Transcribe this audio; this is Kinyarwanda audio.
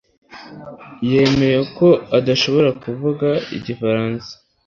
yemeye ko adashobora kuvuga igifaransa